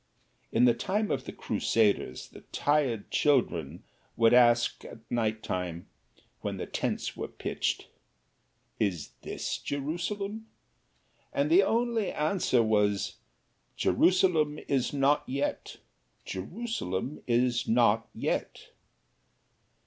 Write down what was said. In the time of the Crusaders, the tired children would ask at night time, when the tents were pitched, "Is this Jerusalem?" And the only answer was: "Jerusalem is not yet! Jerusalem is not yet!"